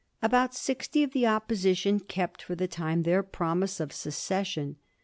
About sixty of the Opposition kept for the time their promise of secession.